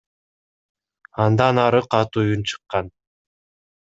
Андан ары катуу үн чыккан.